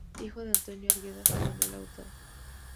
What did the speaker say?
Hijo de Antonio Arguedas y Manuela Hurtado.